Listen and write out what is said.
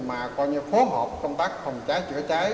mà phối hợp công tác phòng cháy chữa cháy